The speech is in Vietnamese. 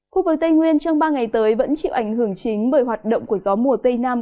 khu vực tây nguyên trong ba ngày tới vẫn chịu ảnh hưởng chính bởi hoạt động của gió mùa tây nam